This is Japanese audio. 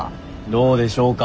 どうでしょうか！？